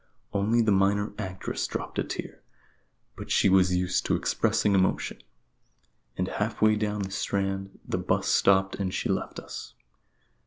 Only the minor actress dropped a tear; but she was used to expressing emotion, and half way down the Strand the 'bus stopped and she left us.